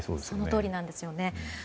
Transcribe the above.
そのとおりなんです。